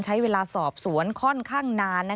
ใช้เวลาสอบสวนค่อนข้างนาน